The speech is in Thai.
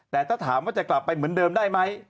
แต่ถ้าถามว่าจะกลับไปเหมือนเดิมได้ไหม